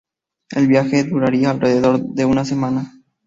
El viaje duraría alrededor de una semana.